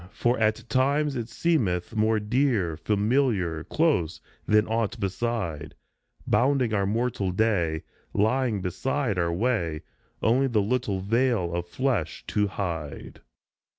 For at times it seemeth More dear, familiar, close than aught beside, Bounding our mortal day, lying beside our way, Only the little veil of flesh to hide.